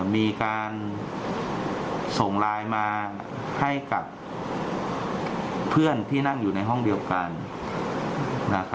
มีการส่งไลน์มาให้กับเพื่อนที่นั่งอยู่ในห้องเดียวกัน